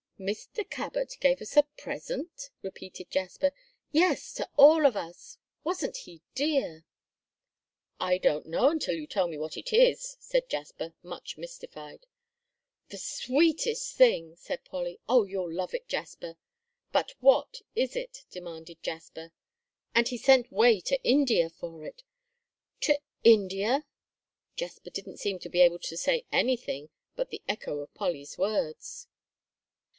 "Mr. Cabot gave us a present?" repeated Jasper. "Yes, to all of us; wasn't he dear?" "I don't know until you tell me what it is," said Jasper, much mystified. "The sweetest thing," said Polly. "Oh, you'll love it, Jasper." "But what is it?" demanded Jasper. "And he sent 'way to India for it." "To India!" Jasper didn't seem to be able to say anything but the echo of Polly's words.